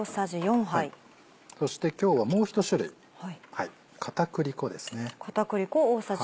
そして今日はもう１種類片栗粉ですね。